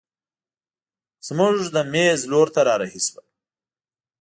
زموږ د مېز لور ته رارهي شوه.